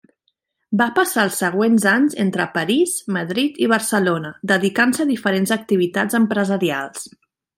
Va passar els següents anys entre París, Madrid i Barcelona, dedicant-se a diferents activitats empresarials.